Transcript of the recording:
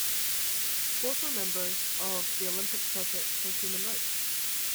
Both were members of the Olympic Project for Human Rights.